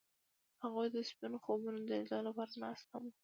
هغوی د سپین خوبونو د لیدلو لپاره ناست هم وو.